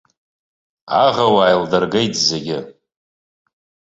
Аӷу ааилдыргеит зегьы.